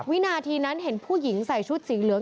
วินาทีนั้นเห็นผู้หญิงใส่ชุดสีเหลือง